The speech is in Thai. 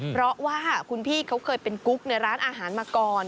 เพราะว่าคุณพี่เขาเคยเป็นกุ๊กในร้านอาหารมาก่อน